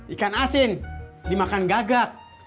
ikan asin dimakan gagak